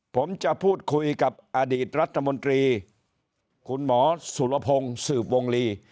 ผมจะพูดคุยกับอดีตรัฐมนตรีคุณหมอสุรพงศ์สืบวงลี